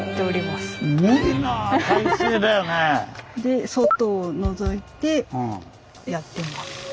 で外をのぞいてやってます。